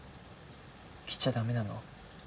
来ちゃ駄目なの？